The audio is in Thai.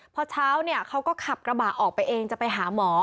พอเช้าเนี่ยเขาก็ขับกระบะออกไปเองจะไปหาหมอ